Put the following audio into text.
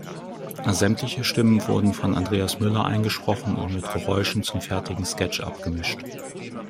Sämtliche Stimmen wurden von Andreas Müller eingesprochen und mit Geräuschen zum fertigen Sketch abgemischt.